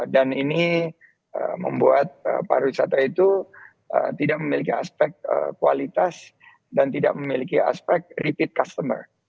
dan ini membuat pariwisata itu tidak memiliki aspek kualitas dan tidak memiliki aspek repeat customer